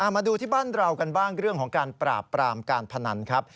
มาดูที่บ้านเรากันบ้างเรื่องของการปราบปรามการพนันครับ